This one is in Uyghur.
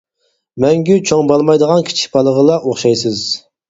مەڭگۈ چوڭ بولمايدىغان كىچىك بالىغىلا ئوخشايسىز.